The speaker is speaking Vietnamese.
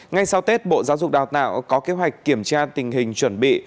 ngay sau tết bộ giáo dục đào tạo có kế hoạch kiểm tra tình hình chuẩn bị